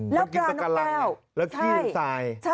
แล้วปลานกแก้วแล้วขี้เป็นทราย